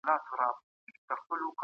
وفاداري د ژوند ښه نښه ده.